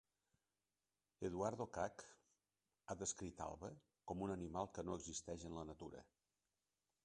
Eduardo Kac ha descrit Alba com un animal que no existeix en la natura.